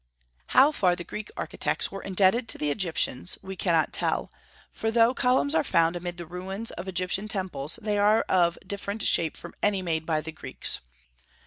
How far the Greek architects were indebted to the Egyptian we cannot tell, for though columns are found amid the ruins of the Egyptian temples, they are of different shape from any made by the Greeks.